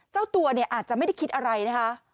เจ้าตัวเนี่ยอาจจะไม่ได้คิดอะไรนะคะ